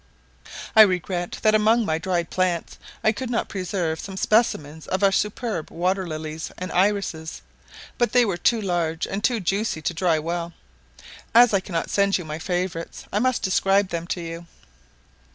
I regret that among my dried plants I could not preserve some specimens of our superb water lilies and irises; but they were too large and too juicy to dry well. As I cannot send you my favourites, I must describe them to you.